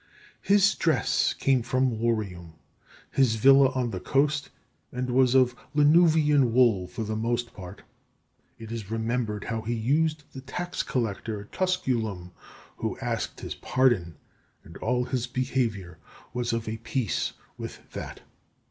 His dress came from Lorium his villa on the coast and was of Lanuvian wool for the most part. It is remembered how he used the tax collector at Tusculum who asked his pardon, and all his behaviour was of a piece with that.